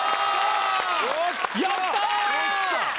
やったー！